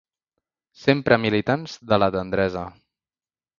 Sempre militants de la tendresa!